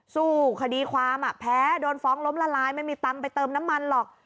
สู้คดีความแพ้โดนฟ้องล้มละลายไม่มีตังค์ไปเติมน้ำมันหรอก